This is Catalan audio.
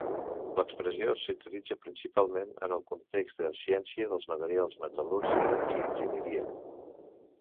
L'expressió s'utilitza principalment en el context de ciència dels materials, metal·lúrgia i enginyeria.